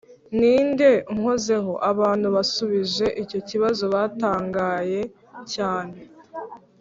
“ni nde unkozeho?” abantu basubije icyo kibazo batangaye cyane